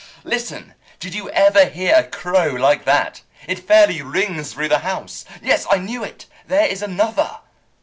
Listen! Did you ever hear a crow like that? It fairly rings through the house. Yes, I knew it! There is another!"